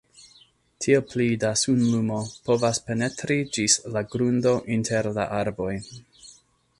Tiel pli da sunlumo povas penetri ĝis la grundo inter la arboj.